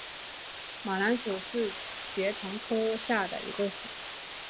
马蓝属是爵床科下的一个属。